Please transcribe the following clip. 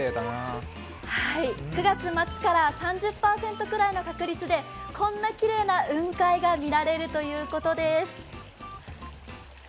９月末から３０％くらいの確率でこんなきれいな雲海が見られるということです。